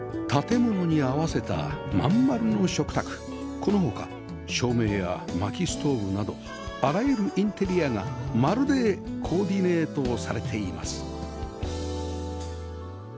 この他照明や薪ストーブなどあらゆるインテリアが「まる」でコーディネートされています